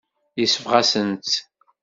Yesbeɣ-asen-tt.